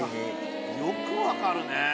よく分かるね！